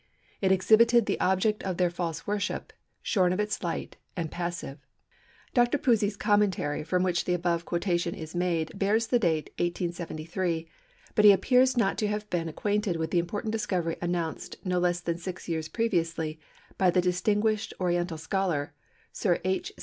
It exhibited the object of their false worship, shorn of its light, and passive." Dr. Pusey's Commentary from which the above quotation is made bears the date 1873, but he appears not to have been acquainted with the important discovery announced no less than six years previously by the distinguished Oriental scholar, Sir H.